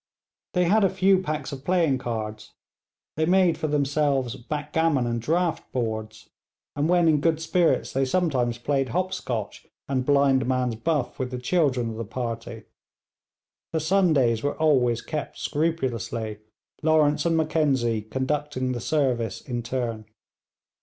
They had a few packs of playing cards; they made for themselves backgammon and draught boards, and when in good spirits they sometimes played hopscotch and blindman's buff with the children of the party. The Sundays were always kept scrupulously, Lawrence and Mackenzie conducting the service in turn.